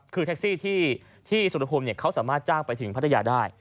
คือแท็กซี่ที่สุรภูมิเขาสามารถจ้างไปถึงพัทยาได้